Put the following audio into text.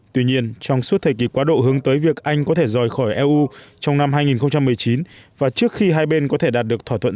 tuy nhiên trong suốt thời kỳ quá độ hướng tới việc anh có thể rời khỏi eu trong năm hai nghìn một mươi chín và trước khi hai bên có thể đạt được thỏa thuận